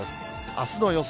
あすの予想